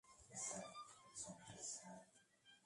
Austin: Institute of Latin American Studies.